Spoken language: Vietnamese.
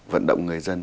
vận động người dân